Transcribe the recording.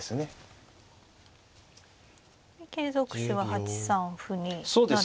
継続手は８三歩になるんですか。